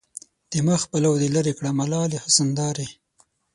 د مخ پلو دې لېري کړه ملالې حسن دارې